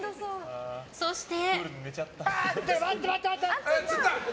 そして。